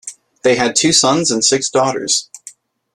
They had two sons and six daughters.